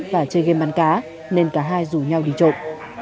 và chơi game bắn cá nên cả hai rủ nhau đi trộm